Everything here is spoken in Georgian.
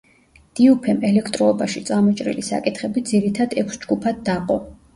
დიუფემ ელექტროობაში წამოჭრილი საკითხები ძირითად ექვს ჯგუფად დაყო.